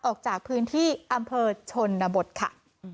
ออกจากพื้นที่อำเภอชนบทค่ะ